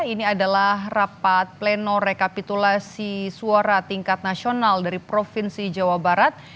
ini adalah rapat pleno rekapitulasi suara tingkat nasional dari provinsi jawa barat